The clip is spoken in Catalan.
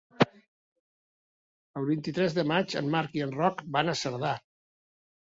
El vint-i-tres de maig en Marc i en Roc van a Cerdà.